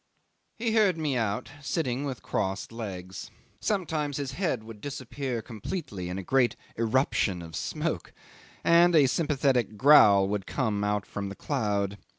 'He heard me out, sitting with crossed legs. Sometimes his head would disappear completely in a great eruption of smoke, and a sympathetic growl would come out from the cloud.